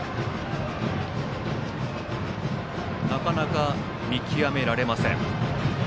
なかなか見極められません。